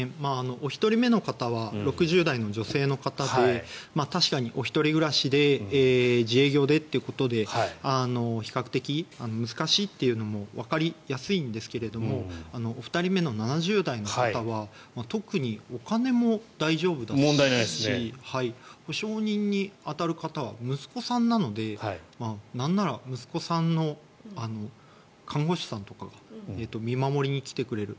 お一人目の方は６０代の女性の方で確かに、１人暮らしで自営業でということで比較的、難しいというのもわかりやすいんですけれどもお二人目の７０代の方は特にお金も大丈夫だし保証人に当たる方は息子さんなのでなんなら息子さんの看護師さんとかが見守りに来てくれる。